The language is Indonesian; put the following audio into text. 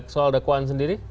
soal dakwaan sendiri